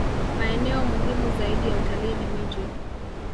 Maeneo muhimu zaidi ya utalii ni miji